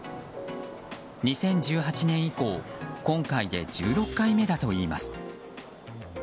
２０１８年以降今回で１６回目だといいます。